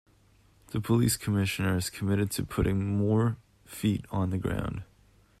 The police commissioner has committed to putting more feet on the ground.